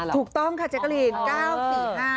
ถูกต้องค่ะแจ๊กกะลีน๙๔๕